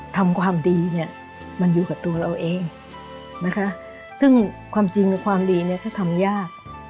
ทำความดีมันอยู่กับตัวเราเองซึ่งความจริงและความดีก็ทำยาก